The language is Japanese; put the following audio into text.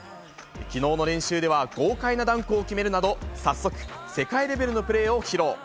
きのうの練習では豪快なダンクを決めるなど、早速、世界レベルのプレーを披露。